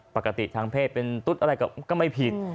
ทางเพศเป็นตุ๊ดอะไรก็ไม่ผิด